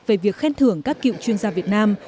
về việc khen thưởng các cựu chuyên gia việt nam